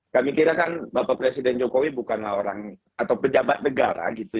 kami kira kan bapak presiden jokowi bukanlah orang atau pejabat negara gitu